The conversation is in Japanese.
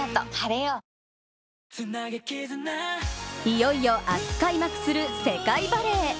いよいよ明日開幕する世界バレー。